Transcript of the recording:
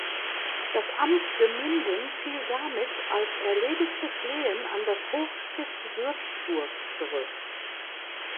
Das Amt Gemünden fiel damit als erledigtes Lehen an das Hochstift Würzburg zurück.